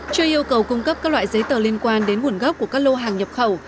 chưa yêu cầu cung cấp các loại giấy tờ liên quan đến nguồn gốc của các lô hàng nhập khẩu